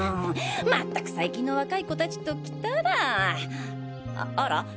まったく最近の若い子達ときたらあら？